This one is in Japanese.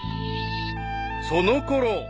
［そのころ］